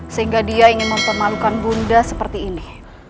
sehingga dia ingin mempermalukan bunda seperti ini